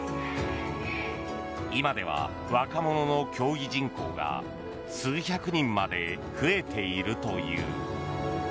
今では若者の競技人口が数百人まで増えているという。